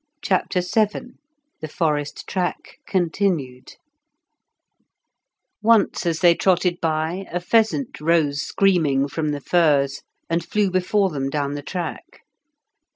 CHAPTER VII THE FOREST TRACK CONTINUED Once as they trotted by a pheasant rose screaming from the furze and flew before them down the track.